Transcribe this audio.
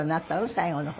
最後の方。